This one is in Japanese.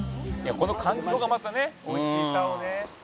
「この環境がまたねおいしさをね」